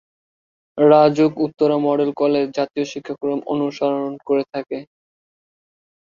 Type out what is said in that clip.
RAJUK Uttara model college জাতীয় শিক্ষাক্রম অনুসরণ করে থাকে।